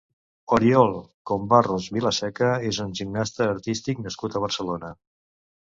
Oriol Combarros Vilaseca és un gimnasta artístic nascut a Barcelona.